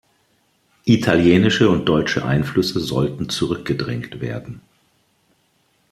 Italienische und deutsche Einflüsse sollten zurückgedrängt werden.